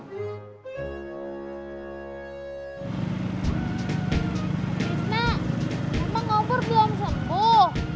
isna emang ngobor belum sembuh